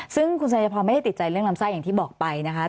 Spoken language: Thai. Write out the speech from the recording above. ซึ่งคุณชายพรไม่ได้ติดใจเรื่องลำไส้อย่างที่บอกไปนะคะ